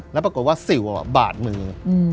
แล้วปรากฏว่าสิวบาดมือ